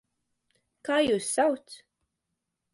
Kā jūs sauc?